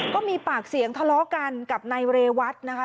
ก็มีปากเสียงทะเลาะกันกับนายเรวัตนะคะ